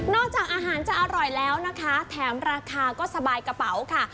จากอาหารจะอร่อยแล้วนะคะแถมราคาก็สบายกระเป๋าค่ะ